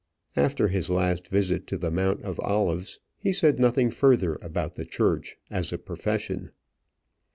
After his last visit to the Mount of Olives, he said nothing further about the church as a profession.